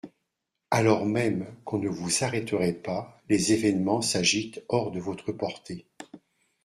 Alors même qu'on ne vous arrêterait pas, les événements s'agitent hors de votre portée.